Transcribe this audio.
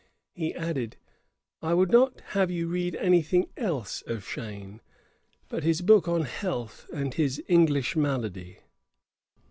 He added, 'I would not have you read anything else of Cheyne, but his book on Health, and his English Malady.'